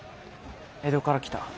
江戸から来た。